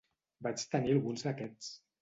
Vaig tenir alguns d'aquests.